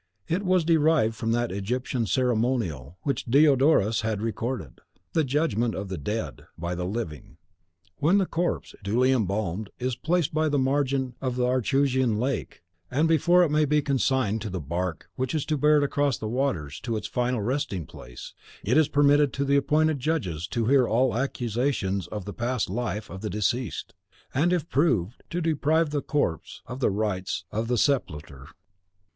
It was derived from that Egyptian ceremonial which Diodorus has recorded, the Judgment of the Dead by the Living (Diod., lib. i.): when the corpse, duly embalmed, is placed by the margin of the Acherusian Lake; and before it may be consigned to the bark which is to bear it across the waters to its final resting place, it is permitted to the appointed judges to hear all accusations of the past life of the deceased, and, if proved, to deprive the corpse of the rites of sepulture.